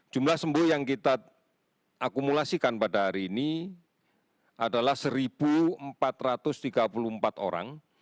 jumlah sembuh yang kita akumulasikan pada hari ini adalah satu empat ratus tiga puluh empat orang